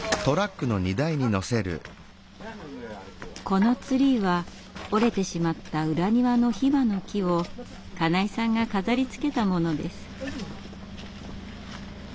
このツリーは折れてしまった裏庭のヒバの木を金井さんが飾りつけたものです。